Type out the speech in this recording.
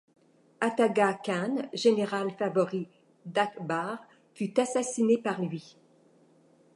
Ataga Khan, général favori d'Akbar fut assassiné par lui.